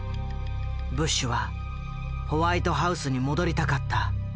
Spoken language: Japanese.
ブッシュはホワイトハウスに戻りたかった。